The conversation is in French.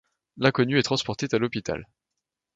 L'inconnue est transportée à l'hôpital.